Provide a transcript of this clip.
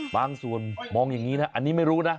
บางส่วนมองอย่างนี้นะอันนี้ไม่รู้นะ